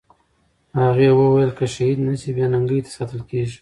هغې وویل چې که شهید نه سي، بې ننګۍ ته ساتل کېږي.